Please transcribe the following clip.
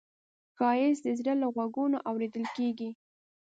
ښایست د زړه له غوږونو اورېدل کېږي